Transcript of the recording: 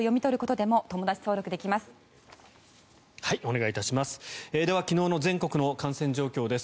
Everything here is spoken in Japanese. では、昨日の全国の感染状況です。